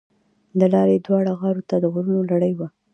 د لارې دواړو غاړو ته د غرونو لړۍ وه.